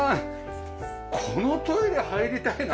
このトイレ入りたいな。